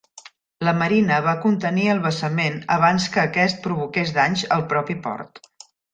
La marina va contenir el vessament abans que aquest provoqués danys al propi port.